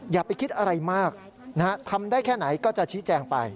อย่าไปคิดอะไรมากทำได้แค่ไหนก็จะชี้แจงไป